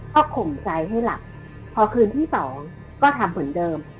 ก็ข่มใจให้หลับพอคืนที่สองก็ทำเหมือนเดิม